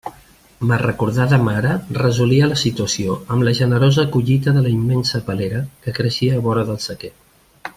Ma recordada mare resolia la situació amb la generosa collita de la immensa palera que creixia a vora del sequer.